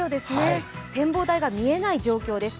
展望台が見えない状況です。